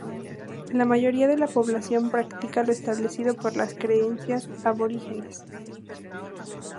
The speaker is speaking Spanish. La mayoría de la población practica lo establecido por las creencias aborígenes.